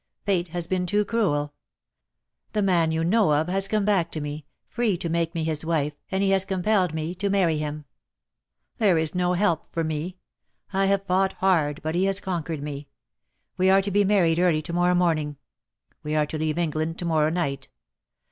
"Fate has been too cruel. The man you know of has come back to me, free to make me his wife, and he has compelled me to marry him. "There is no help for me. I have fought hard, but he has conquered me. We are to be married early to morrow morning. We are to leave England to morrow night.